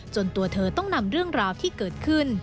ตัวเธอต้องนำเรื่องราวที่เกิดขึ้น